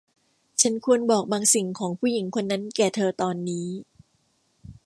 ฉันควรบอกบางสิ่งของผู้หญิงคนนั้นแก่เธอตอนนี้